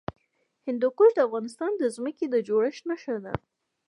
هندوکش د افغانستان د ځمکې د جوړښت نښه ده.